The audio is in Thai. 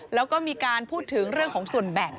แล้วก็มีการพูดถึงเรื่องของส่วนแบ่ง